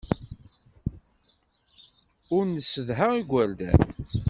Ur nessedha igerdan.